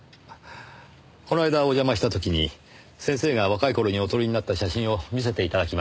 この間お邪魔した時に先生が若い頃にお撮りになった写真を見せて頂きました。